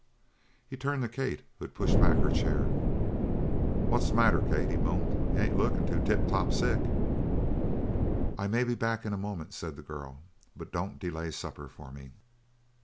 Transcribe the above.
He turned to Kate, who had pushed back her chair. "What's the matter, Kate?" he boomed. "You ain't lookin' any too tip top. Sick?" "I may be back in a moment," said the girl, "but don't delay supper for me."